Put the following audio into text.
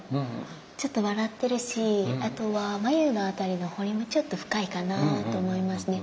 ちょっと笑ってるしあとは眉の辺りのホリもちょっと深いかなと思いますね。